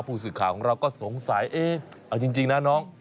ผู้สื่อข่าวของเราก็สงสัยเอ๊ะเอาจริงนะน้อง